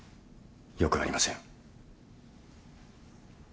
よくありません。